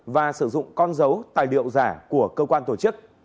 và sử dụng con dấu tài liệu giả của cơ quan tổ chức